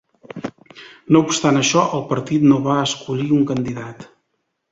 No obstant això, el partit no va escollir un candidat.